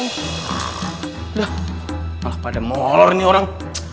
sudah pada molor nih orang